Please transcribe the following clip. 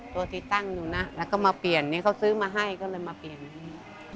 ตัวที่ตั้งอยู่นะแล้วก็มาเปลี่ยนนี่เขาซื้อมาให้ก็เลยมาเปลี่ยนนี้